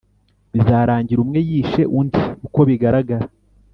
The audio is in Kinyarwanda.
Bizarangira umwe yishe undi uko bigaragara